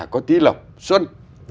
có tí lộc xuân